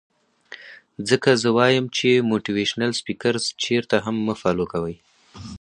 ځکه زۀ وائم چې موټيوېشنل سپيکرز چرته هم مۀ فالو کوئ